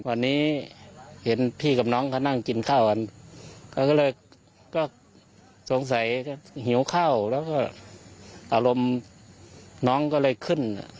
วันนี้เห็นพี่กับน้องเขานั่งกินข้าวกันเขาก็เลยก็สงสัยหิวเข้าแล้วก็อารมณ์น้องก็เลยขึ้น